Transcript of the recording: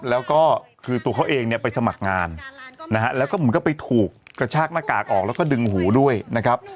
แล้วก็คือตัวเขาเองเนี่ยไปสมัครงานนะฮะแล้วก็เหมือนกับไปถูกกระชากหน้ากากออกแล้วก็ดึงหูด้วยนะครับ